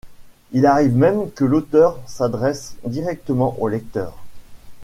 Il arrive même que l'auteur s'adresse directement au lecteur.